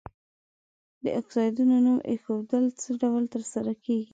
د اکسایدونو نوم ایښودل څه ډول تر سره کیږي؟